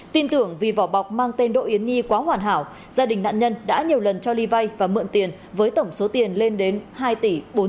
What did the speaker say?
tin tưởng vì vỏ bọc mang tên đỗ yến nhi quá hoàn hảo gia đình nạn nhân đã nhiều lần cho ly vay và mượn tiền với tổng số tiền lên đến hai tỷ bốn triệu đồng